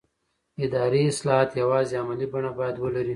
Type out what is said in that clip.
اداري اصلاحات یوازې عملي بڼه باید ولري